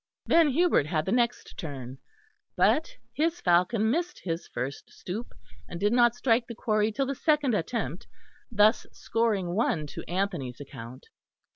Then Hubert had the next turn; but his falcon missed his first stoop, and did not strike the quarry till the second attempt, thus scoring one to Anthony's account.